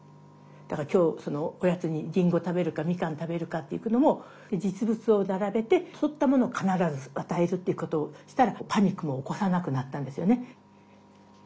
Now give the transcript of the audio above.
だから今日おやつにりんご食べるかみかん食べるかっていうのも実物を並べて取ったものを必ず与えるっていうことをしたらパニックも起こさなくなったんですよね。